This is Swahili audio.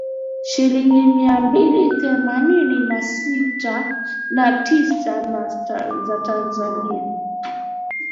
Shilingi mia mbili themanini na tisa za Tanzania